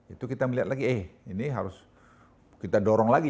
itu kita melihat lagi eh ini harus kita dorong lagi